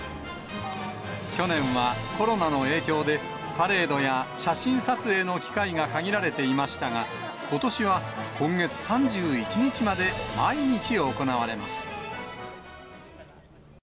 去年はコロナの影響で、パレードや写真撮影の機会が限られていましたが、ことしは今月３１日まで毎日行われます。